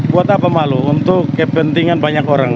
buat apa malu untuk kepentingan banyak orang